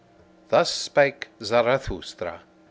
Thus spake Zarathustra.